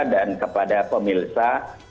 dan kepada pemilsa